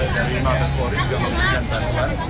dari mata spori juga menggunakan bantuan